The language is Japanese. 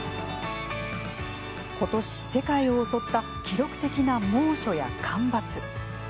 今年、世界を襲った記録的な猛暑や干ばつ。